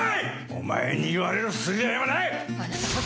お前に言われる筋合いはない！